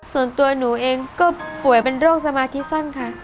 ส่วนตัวหนูเองก็ป่วยเป็นโรคสมาธิสั้นค่ะ